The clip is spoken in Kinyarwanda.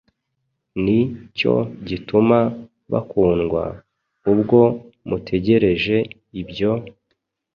Ni cyo gituma bakundwa, ubwo mutegereje ibyo,